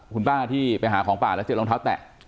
คุณป้าที่ไปหาของป่าแล้วเจอรองเท้าแตะ